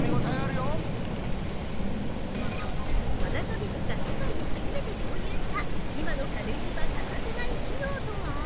◆パナソニックが世界で初めて導入した今の家電には欠かせない機能とは？